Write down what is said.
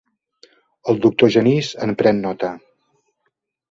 El doctor Genís en pren nota.